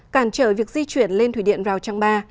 cản trở việc di chuyển lên thủy điện rào trang ba